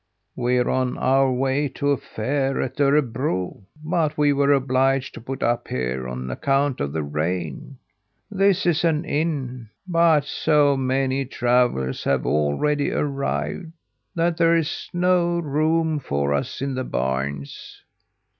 "We're on our way to a fair at Örebro, but we were obliged to put up here on account of the rain. This is an inn; but so many travellers have already arrived that there's no room for us in the barns."